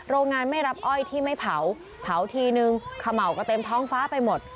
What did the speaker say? โรงงานไม่รับอ้อยที่ไม่เผาเผาทีนึงเขม่าก็เต็มท้องฟ้าไปหมด